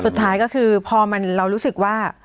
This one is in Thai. สุดท้ายก็คือพอเรารู้สึกว่า